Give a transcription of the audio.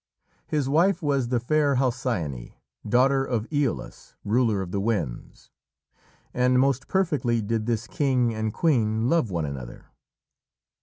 His wife was the fair Halcyone, daughter of Æolus, ruler of the winds, and most perfectly did this king and queen love one another.